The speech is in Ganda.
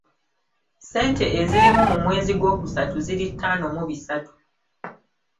Ssente ezirimu mu mwezi gw’okusatu ziri ttaano mu bisatu.